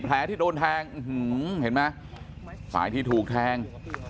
แผลที่โดนแทงเห็นไหมครับไปที่ถูกแทง